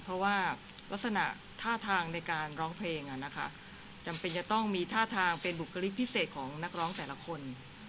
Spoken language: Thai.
เพราะว่าลักษณะท่าทางในการร้องเพลงจำเป็นจะต้องมีท่าทางเป็นบุคลิกพิเศษของนักร้องแต่ละคน